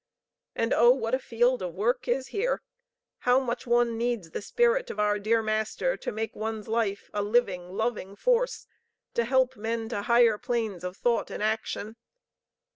And Oh what a field of work is here! How much one needs the Spirit of our dear Master to make one's life a living, loving force to help men to higher planes of thought and action.